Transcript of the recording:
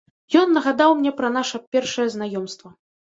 Ён нагадаў мне пра наша першае знаёмства.